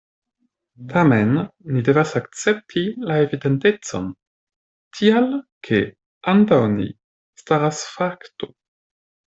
Tamen ni devas akcepti la evidentecon, tial ke antaŭ ni staras fakto.